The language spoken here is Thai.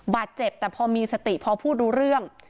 บาดเจ็บแต่พอมีสติพอพูดรู้เรื่อง